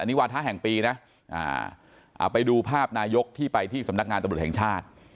นี่วาทะแห่งปีนะไปดูภาพนายกที่ไปที่สำนักงานตำรวจแห่งชาติ